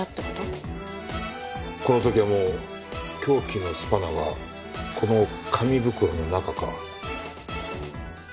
この時はもう凶器のスパナはこの紙袋の中か。